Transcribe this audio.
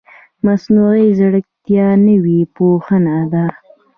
مصنوعي ځیرکتیا نوې پوهنه ده